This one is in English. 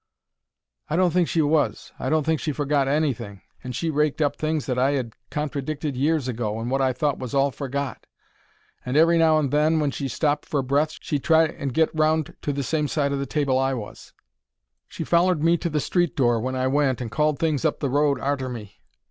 I don't think she was. I don't think she forgot anything, and she raked up things that I 'ad contradicted years ago and wot I thought was all forgot. And every now and then, when she stopped for breath, she'd try and get round to the same side of the table I was. She follered me to the street door when I went and called things up the road arter me.